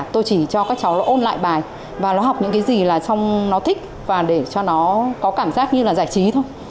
tôi chỉ cho các cháu nó ôn lại bài và nó học những cái gì là trong nó thích và để cho nó có cảm giác như là giải trí thôi